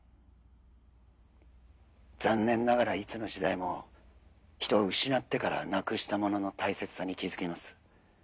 残念ながらいつの時代も人は失ってからなくしたものの大切さに気付きます。